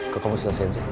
kok kamu selesaikan sih